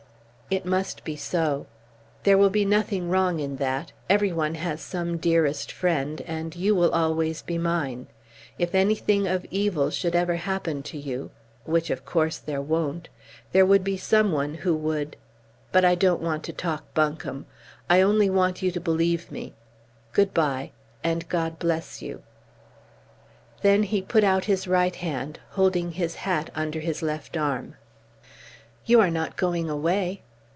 "It must be so. There will be nothing wrong in that. Every one has some dearest friend, and you will always be mine. If anything of evil should ever happen to you, which of course there won't, there would be some one who would . But I don't want to talk buncum; I only want you to believe me. Good bye, and God bless you." Then he put out his right hand, holding his hat under his left arm. "You are not going away?"